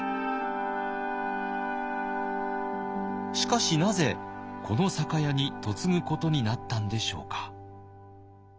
しかしなぜこの酒屋に嫁ぐことになったんでしょうか。